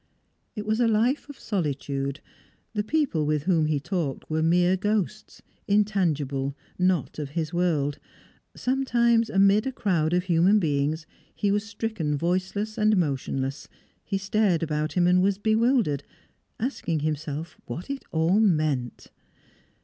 It was a life of solitude. The people with whom he talked were mere ghosts, intangible, not of his world. Sometimes, amid a crowd of human beings, he was stricken voiceless and motionless: he stared about him, and was bewildered, asking himself what it all meant.